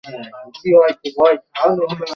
তুইতো এটা পছন্দ করিস?